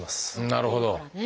なるほど。